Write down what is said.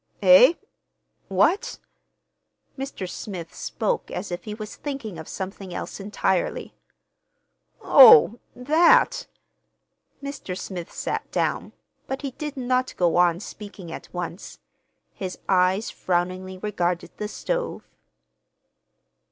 "Eh? What?" Mr. Smith spoke as if he was thinking of something else entirely. "Oh—that." Mr. Smith sat down, but he did not go on speaking at once. His eyes frowningly regarded the stove.